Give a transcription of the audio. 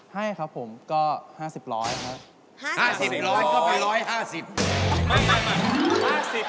ให้ครับผมก็๕๐๑๐๐ครับ